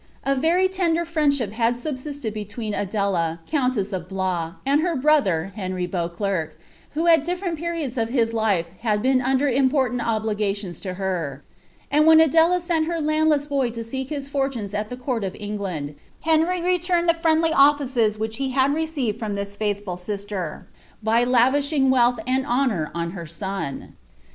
A very tender friendship had subsisted between Adela, countess of Blois, and her brother, Henry Beauclerc, who at different periods of his life had been under important obligations to her ; and when Adela sent her land less boy to seek his fortunes at the court of England, Henry returned the friendly offices which he had received from this faithful sister, by lavishing wealth and honour on her son.